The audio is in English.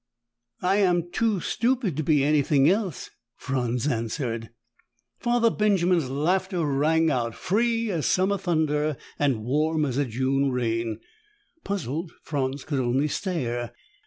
"I am too stupid to be anything else," Franz answered. Father Benjamin's laughter rang out, free as summer thunder and warm as a June rain. Puzzled, Franz could only stare.